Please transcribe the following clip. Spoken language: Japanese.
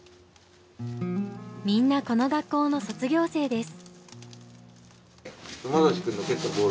みんなこの学校の卒業生です。